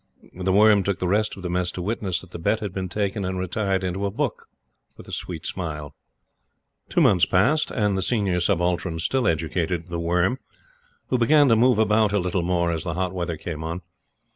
The Worm took the rest of the Mess to witness that the bet had been taken, and retired into a book with a sweet smile. Two months passed, and the Senior Subaltern still educated The Worm, who began to move about a little more as the hot weather came on.